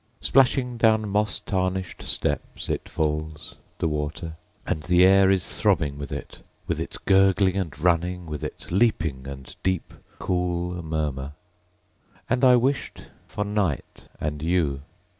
Splashing down moss tarnished steps It falls, the water; And the air is throbbing with it. With its gurgling and running. With its leaping, and deep, cool murmur. And I wished for night and you.